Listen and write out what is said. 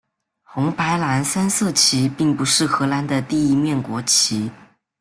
红白蓝三色旗并不是荷兰的第一面国旗。